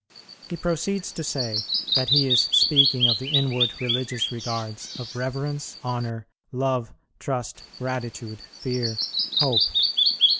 He proceeds to say that he is speaking of the inward religious regards of reverence, honour, love, trust, gratitude, fear, hope.